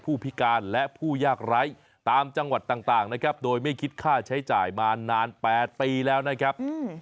ผู้พิการและผู้ยากไร้ตามจังหวัดต่างนะครับโดยไม่คิดค่าใช้จ่ายมานาน๘ปีแล้วนะครับ